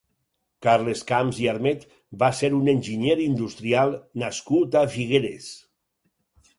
Carles Camps i Armet va ser un enginyer industrial nascut a Figueres.